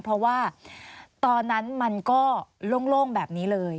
เพราะว่าตอนนั้นมันก็โล่งแบบนี้เลย